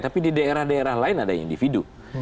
tapi di daerah daerah lain ada individu